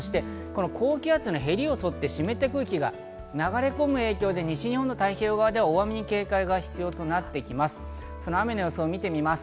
高気圧のへりを沿って湿った空気が流れ込む影響で西日本の太平洋側では大雨に警戒が必要となってきます。